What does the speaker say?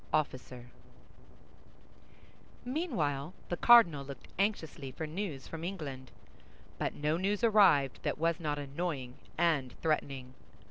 OFFICER Meanwhile, the cardinal looked anxiously for news from England; but no news arrived that was not annoying and threatening.